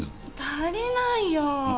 足りないよ。